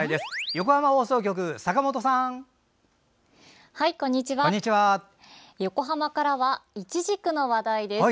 横浜からは、いちじくの話題です。